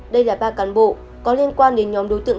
đây là ba cán bộ có liên quan đến nhóm đối tượng